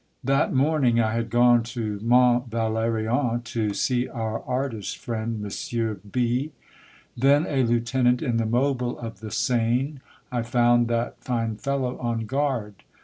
That morning I had gone to Mont Valerien to see our artist friend, Monsieur B , then a Heu tenant in the mobile of the Seine. I found that fine fellow on guard.